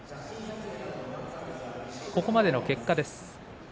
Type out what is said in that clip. ここまでの結果です。